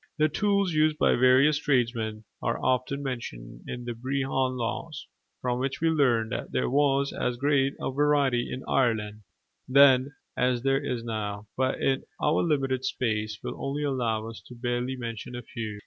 The tools used by the various tradesmen are often mentioned in the Brehon Laws, from which we learn that there was as great a variety in Ireland then as there is now: but our limited space will only allow us to barely mention a few.